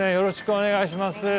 お願いします。